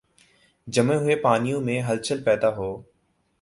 جمے ہوئے پانیوں میں ہلچل پیدا ہو۔